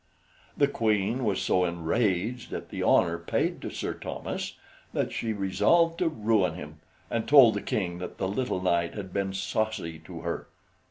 The Queen was so enraged at the honor paid to Sir Thomas that she resolved to ruin him, and told the King that the little knight had been saucy to her.